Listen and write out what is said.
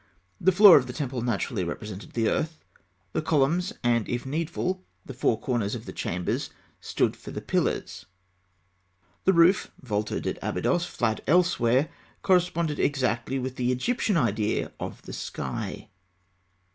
The floor of the temple naturally represented the earth. The columns, and if needful the four corners of the chambers, stood for the pillars. The roof, vaulted at Abydos, flat elsewhere, corresponded exactly with the Egyptian idea of the sky.